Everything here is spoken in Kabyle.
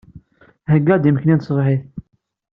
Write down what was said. Theyya-d imekli n tṣebḥit.